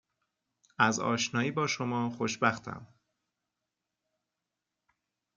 از آشنایی با شما خوشبختم